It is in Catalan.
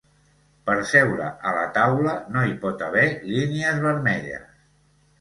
Per seure a la taula no hi pot haver línies vermelles.